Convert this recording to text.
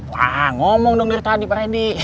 wah ngomong dong dari tadi pak randy